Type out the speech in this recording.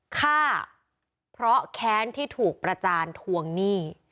ฆ่าเพราะแค้นที่ถูกประจานทวงหนี้